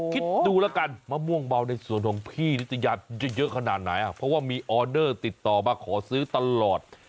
คิดดูแล้วกันมะม่วงเบาในสวนของพี่นิตยาจะเยอะขนาดไหนเพราะว่ามีออเดอร์ติดต่อมาขอซื้อตลอด